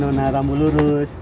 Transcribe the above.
nah nona naram lurus